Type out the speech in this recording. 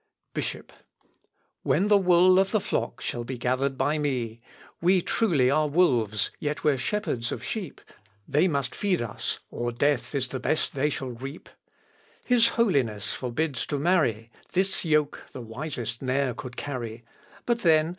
BISHOP. When the wool of the flock shall be gathered by me. We truly are wolves, yet we're shepherds of sheep, They must feed us, or death is the best they shall reap. His Holiness forbids to marry; This yoke the wisest ne'er could carry But then!